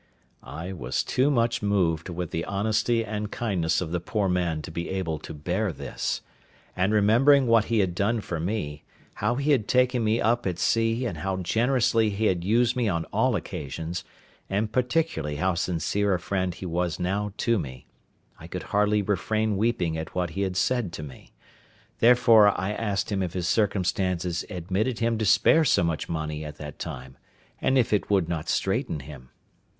I was too much moved with the honesty and kindness of the poor man to be able to bear this; and remembering what he had done for me, how he had taken me up at sea, and how generously he had used me on all occasions, and particularly how sincere a friend he was now to me, I could hardly refrain weeping at what he had said to me; therefore I asked him if his circumstances admitted him to spare so much money at that time, and if it would not straiten him?